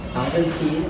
báo dân chí